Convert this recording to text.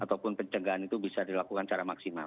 ataupun pencegahan itu bisa dilakukan secara maksimal